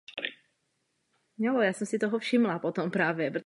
Farním kostelem je novodobý kostel Povýšení svatého Kříže.